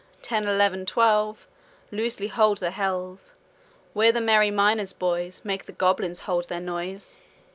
Ten, eleven, twelve Loosely hold the helve. We're the merry miner boys, Make the goblins hold their noise.'